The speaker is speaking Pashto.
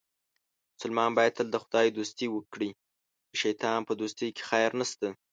مسلمان باید تل د خدای دوستي وکړي، د شیطان په دوستۍ کې خیر نشته.